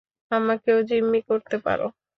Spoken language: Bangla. আমাকেও জিম্মি করতে পারো।